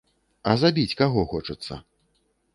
А забіць каго хочацца?